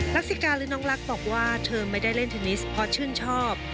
รักษิกาหรือน้องลักษณ์บอกว่าเธอไม่ได้เล่นเทนนิสเพราะชื่นชอบ